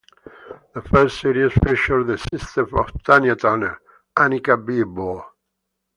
The first series features the sister of Tanya Turner, Anika Beevor.